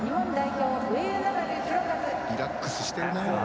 リラックスしてるな。